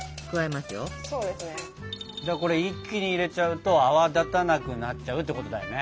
これ一気に入れちゃうと泡立たなくなっちゃうってことだよね。